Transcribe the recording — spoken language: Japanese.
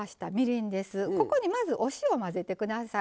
ここにまずお塩混ぜて下さい。